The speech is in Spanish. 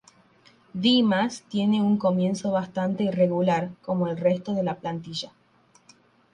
Dimas tiene un comienzo bastante irregular, como el resto de la plantilla.